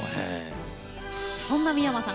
そんな三山さん